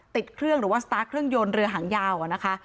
ติดเครื่องหรือว่าสตาร์ทเครื่องยนต์เรือหางยาวนะคะ